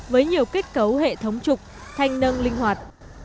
với nhiều kết cấu hệ thống trục thanh nâng linh hoạt